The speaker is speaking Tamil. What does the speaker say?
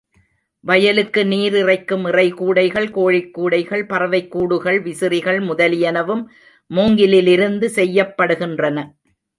வயலுக்கு நீர் இறைக்கும் இறை கூடைகள், கோழிக் கூடைகள், பறவைக் கூடுகள், விசிறிகள் முதலியனவும் மூங்கிலிலிருந்து செய்யப்படுகின்றன.